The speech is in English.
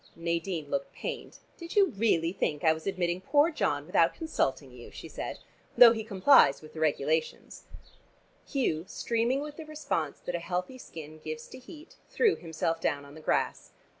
Nadine looked pained. "Did you really think I was admitting poor John without consulting you?" she said. "Though he complies with the regulations." Hugh, streaming with the response that a healthy skin gives to heat, threw himself down on the grass.